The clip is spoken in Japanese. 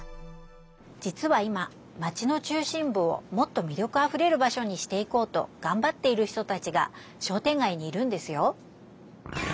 じつは今マチの中心ぶをもっとみりょくあふれる場所にしていこうとがんばっている人たちが商店街にいるんですよ。